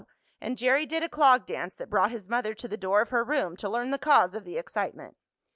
and Jerry did a clog dance that brought his mother to the door of her room to learn the cause of the excitement.